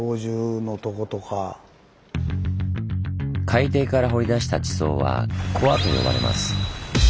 海底から掘り出した地層は「コア」と呼ばれます。